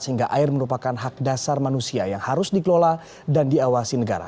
sehingga air merupakan hak dasar manusia yang harus dikelola dan diawasi negara